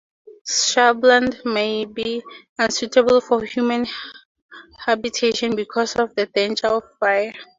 Shrubland may be unsuitable for human habitation because of the danger of fire.